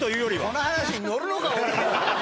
この話乗るのか俺も。